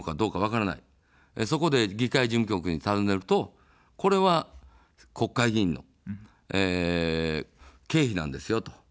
そこで、議会事務局にたずねると、これは、国会議員の経費なんですよと。